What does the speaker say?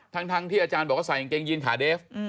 ทั้งที่อาจารย์บอกว่าใส่กางเกงยีนขาเดฟ